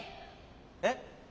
えっ？